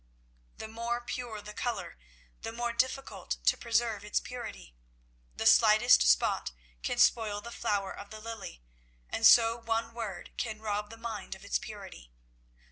The more pure the colour, the more difficult to preserve its purity. The slightest spot can spoil the flower of the lily, and so one word can rob the mind of its purity.